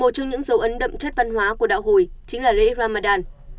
một trong những dấu ấn đậm chất văn hóa của đạo hồi chính là lễ ramadan